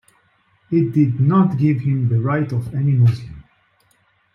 He did not give him the right of any Muslim.